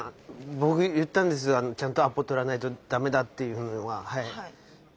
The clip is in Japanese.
僕言ったんですちゃんとアポ取らないとダメだっていうのは。